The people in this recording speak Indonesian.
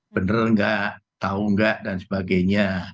bener nggak tahu nggak dan sebagainya